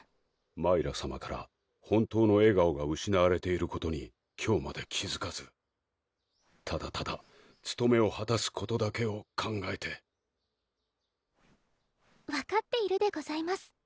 マイラさまから本当の笑顔がうしなわれていることに今日まで気づかずただただつとめをはたすことだけを考えて分かっているでございます